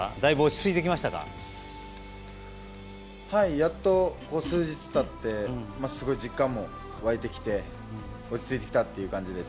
やっと、数日経ってすごい実感も湧いてきて落ち着いてきた感じです。